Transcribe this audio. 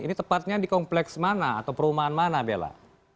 ini tepatnya di kompleks mana atau perumahan mana bella